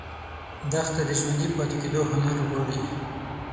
دښته د ژوندي پاتې کېدو هنر غواړي.